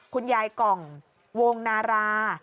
คุณยายกล่องวงนารา